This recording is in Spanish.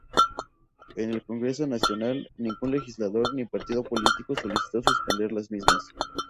En el Congreso Nacional, ningún legislador ni partido político solicitó suspender las mismas.